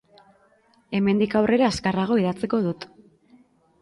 Hemendik aurrera azkarrago idatziko dut.